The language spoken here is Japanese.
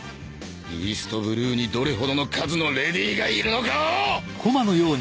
イーストブルーにどれほどの数のレディがいるのかを！